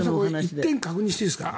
１点確認していいですか？